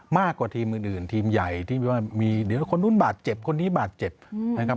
มากกว่าทีมอื่นทีมใหญ่ที่มีว่ามีเดี๋ยวคนนู้นบาดเจ็บคนนี้บาดเจ็บนะครับ